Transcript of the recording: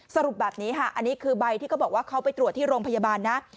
สรุปแบบนี้ค่ะอันนี้คือใบที่เขาบอกว่าเขาไปตรวจที่โรงพยาบาลนะ